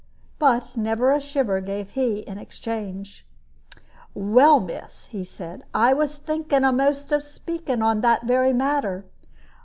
But never a shiver gave he in exchange. "Well, miss," he said, "I was thinking a'most of speaking on that very matter.